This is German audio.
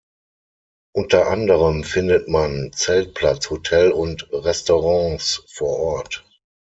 Unter anderem findet man Zeltplatz, Hotel und Restaurants vor Ort.